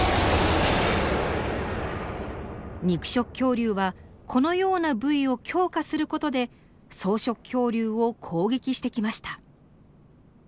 肉食恐竜はこのような部位を強化することで草食恐竜を攻撃してきました。